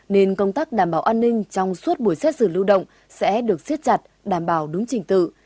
nên công tác đảm bảo an ninh trong suốt buổi xét xử lưu động sẽ được siết chặt đảm bảo đúng trình tự